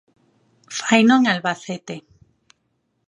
Faino en Albacete.